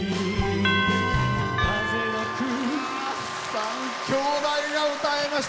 ３兄弟が歌いました。